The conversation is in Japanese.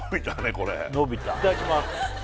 これいただきます